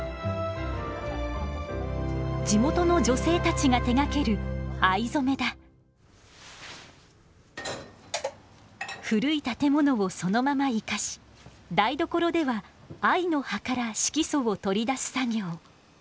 地元の女性たちが手がける古い建物をそのまま生かし台所では藍の葉から色素を取り出す作業。